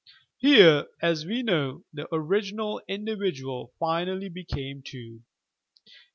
Here, as we know, the original individual finally became two. Dr.